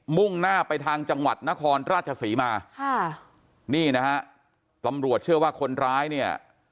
มุ่งหน้าไปทางจังหวัดนครราชศรีมาค่ะนี่นะฮะตำรวจเชื่อว่าคนร้ายเนี่ย